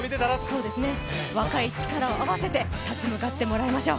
若い力を合わせて、立ち向かってもらいましょう。